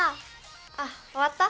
あっおわった？